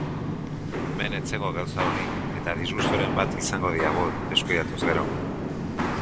Hemen ez zegok gauza onik, eta disgusturen bat izango diagu deskuidatuz gero.